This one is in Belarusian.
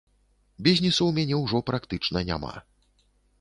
Бізнесу ў мяне ўжо практычна няма.